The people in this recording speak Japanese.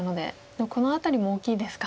でもこの辺りも大きいですか。